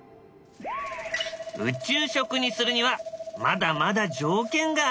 宇宙食にするにはまだまだ条件があるんだ。